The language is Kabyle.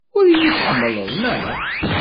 Ur iyi-tḥemmleḍ, naɣ?